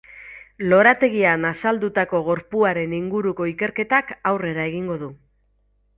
Lorategian azaldutako gorpuaren inguruko ikerketak aurrera egingo du.